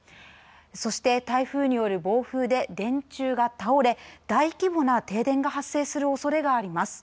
そして、台風による暴風で電柱が倒れ大規模な停電が発生するおそれがあります。